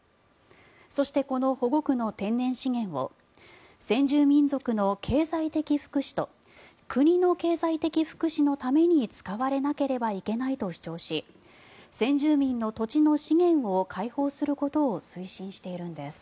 そして、この保護区の天然資源を先住民族の経済的福祉と国の経済的福祉のために使わなければいけないと主張し先住民の土地の資源を開放することを推進しているんです。